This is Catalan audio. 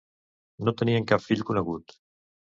No tenien cap fill conegut.